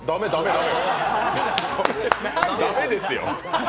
駄目、駄目ですよ。